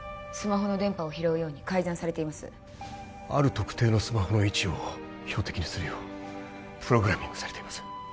スマホの電波を拾うように改ざんされていますある特定のスマホの位置を標的にするようプログラミングされています